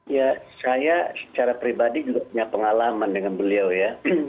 ya saya secara pribadi juga punya pengalaman dengan beliau ya